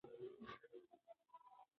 هغې ویډیو کې د پورته کېدو خوند بیان کړ.